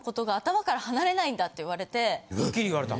はっきり言われたん？